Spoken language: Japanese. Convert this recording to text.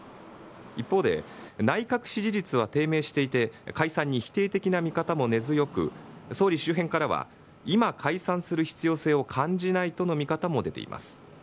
一方で、内閣支持率は低迷していて、解散に否定的な見方も根強く、総理周辺からは、今、解散する必要性を感じないとの見方も出ています。